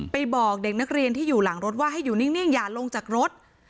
บอกเด็กนักเรียนที่อยู่หลังรถว่าให้อยู่นิ่งอย่าลงจากรถ